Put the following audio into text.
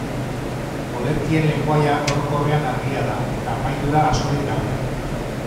Olerkien lengoaia orokorrean argia da, eta apaindura askorik gabea.